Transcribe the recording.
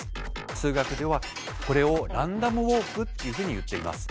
数学ではこれをランダムウォークっていうふうにいっています。